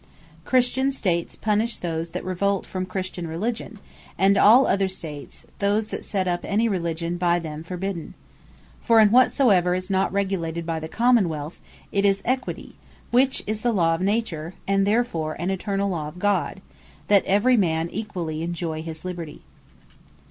Christian States punish those that revolt from Christian Religion, and all other States, those that set up any Religion by them forbidden. For in whatsoever is not regulated by the Common wealth, tis Equity (which is the Law of Nature, and therefore an eternall Law of God) that every man equally enjoy his liberty.